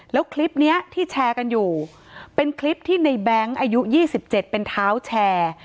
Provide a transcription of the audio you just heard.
แล้วคลิปนี้ที่แชร์กันอยู่เป็นคลิปที่ในแบงค์อายุ๒๗เป็นเท้าแชร์